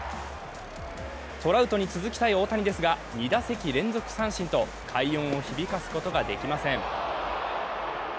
トラウトに続きたい大谷ですが、２打席連続三振と快音を響かすことができません。